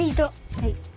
はい。